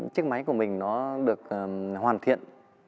chiếc máy của mình nó được hoàn thiện